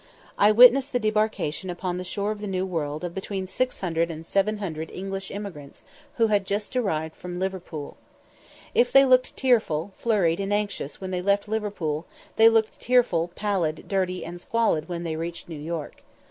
I witnessed the debarkation upon the shore of the New World of between 600 and 700 English emigrants, who had just arrived from Liverpool. If they looked tearful, flurried, and anxious when they left Liverpool, they looked tearful, pallid, dirty, and squalid when they reached New York.